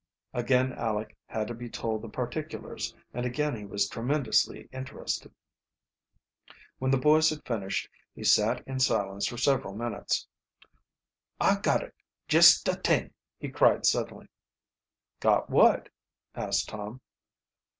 Again Aleck had to be told the particulars and again he was tremendously interested. When the boys had finished he sat in silence for several minutes. "I've got it jest de t'ing!" he cried suddenly. "Got what?" asked Tom.